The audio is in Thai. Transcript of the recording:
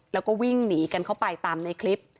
แล้วก็วิ่งหนีกันเข้าไปตามในคลิป